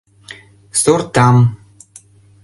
Сортам.